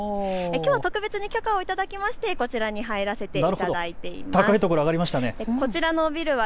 きょうは特別に許可を頂いてこちらに入らせていただいています。